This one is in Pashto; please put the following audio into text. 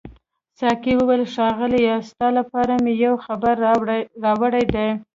ساقي وویل ښاغلیه ستا لپاره مې یو خبر راوړی دی.